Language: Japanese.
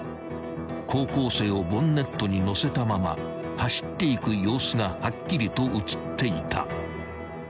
［高校生をボンネットにのせたまま走っていく様子がはっきりと写っていた］